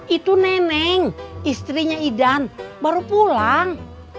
itu neneng istrinya idan baru pulang